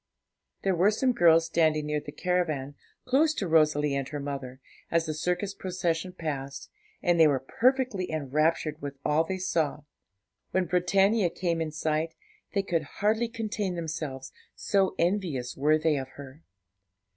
There were some girls standing near the caravan, close to Rosalie and her mother, as the circus procession passed, and they were perfectly enraptured with all they saw. When Britannia came in sight, they could hardly contain themselves, so envious were they of her.